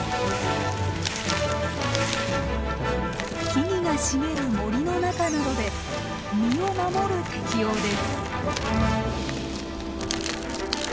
木々が茂る森の中などで身を守る適応です。